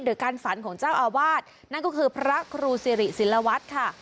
การฝันของเจ้าอาวาสนั่นก็คือพระครูสิริศิลวัฒน์ค่ะ